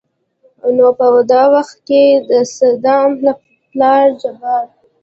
نو په د وخت کې دصمد پلار جبار